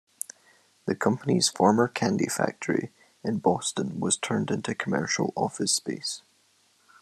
The company's former candy factory in Boston was turned into commercial office space.